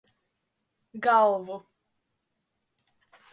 Galvu.